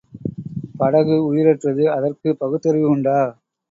படகு உயிரற்றது அதற்குப் பகுத்தறிவுண்டா?